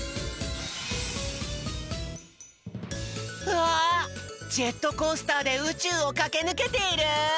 わあジェットコースターでうちゅうをかけぬけている！